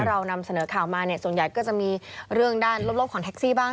เรานำเสนอข่าวมาเนี่ยส่วนใหญ่ก็จะมีเรื่องด้านลบของแท็กซี่บ้าง